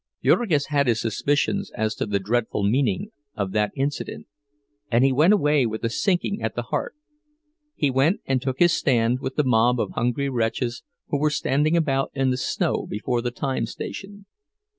Jurgis had his suspicions as to the dreadful meaning of that incident, and he went away with a sinking at the heart. He went and took his stand with the mob of hungry wretches who were standing about in the snow before the time station.